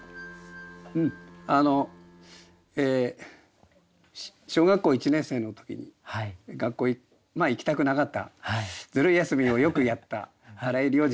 あの小学校１年生の時に学校まあ行きたくなかったずる休みをよくやった荒井良二君に。